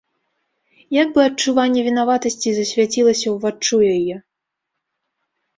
Як бы адчуванне вінаватасці засвяцілася ўваччу яе.